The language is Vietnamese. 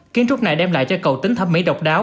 kiến trúc này đem lại cho cầu tính thẩm mỹ độc đáo